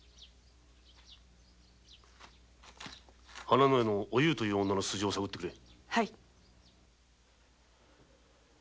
「花乃家」のお夕という女の素性を洗ってくれ！